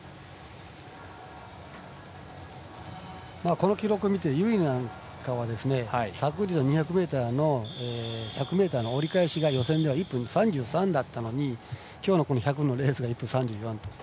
この記録を見て由井なんかは昨日の２００ｍの１００の折り返しが予選では１分３３だったのに今日の１００のレースが１分３４と。